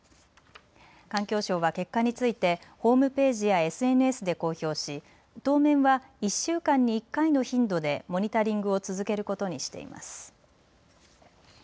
環境省は結果についてホームページやＳＮＳで公表し当面は１週間に１回の頻度でモニタリングを続けることにしています。